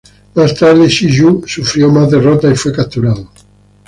Más tarde, Chi You sufrió más derrotas y fue capturado.